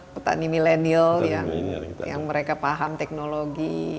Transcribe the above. petani milenial yang mereka paham teknologi